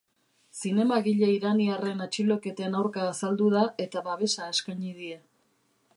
Zinemagile iraniarren atxiloketen aurka azaldu da eta babesa eskaini die.